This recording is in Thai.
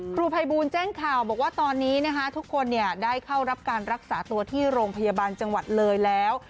ครูภัยบูลแจ้งข่าวบอกว่าตอนนี้นะคะทุกคนได้เข้ารับการรักษาตัวที่โรงพยาบาลจังหวัดเลยแล้ว